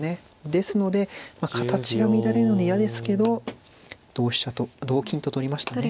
ですので形が乱れるので嫌ですけど同金と取りましたね。